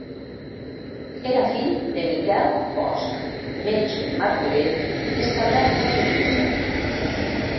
Era fill de Miquel Bosch, metge de Martorell establert a Tortosa.